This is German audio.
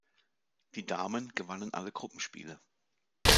Die Damen gewannen alle Gruppenspiele.